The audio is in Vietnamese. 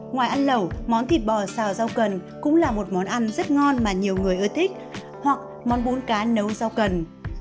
ngoài ăn lẩu món thịt bò xào rau cần cũng là một món ăn rất ngon mà nhiều người ưa thích hoặc món bún cá nấu rau cần